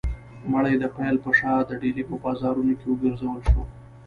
مړی د پیل په شا د ډیلي په بازارونو کې وګرځول شو.